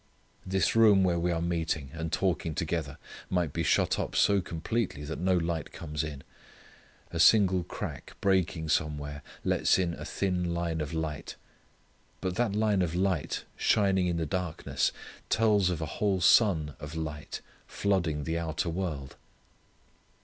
This room where we are meeting and talking together might be shut up so completely that no light comes in. A single crack breaking somewhere lets in a thin line of light. But that line of light shining in the darkness tells of a whole sun of light flooding the outer world.